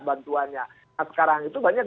bantuannya nah sekarang itu banyak